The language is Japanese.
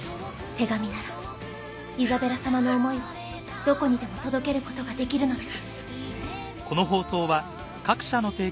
手紙ならイザベラ様の思いをどこにでも届けることができるのです。